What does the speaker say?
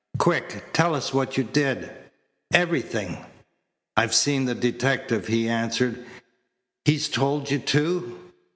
Quick! Tell us what you did everything." "I've seen the detective," he answered. "He's told you, too?